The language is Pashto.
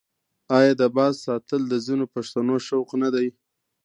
آیا د باز ساتل د ځینو پښتنو شوق نه دی؟